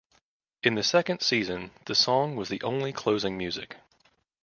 In the second season the song was the only closing music.